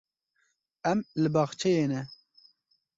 Em li bexçeyê ne.